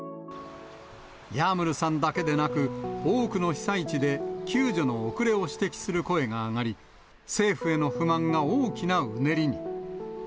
ヤームルさんだけでなく、多くの被災地で救助の遅れを指摘する声が上がり、政府への不満が大きなうねりに。